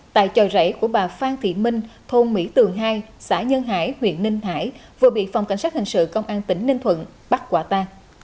tại trò rẫy của bà phan thị minh thôn mỹ tường hai xã nhân hải huyện ninh hải vừa bị phòng cảnh sát hình sự công an tỉnh ninh thuận bắt quả ta